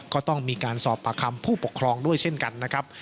ก็ต้องมีการสอบปากคำผู้ปกครองด้วยเช่นกันนะครับ